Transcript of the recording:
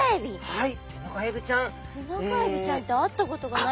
はい。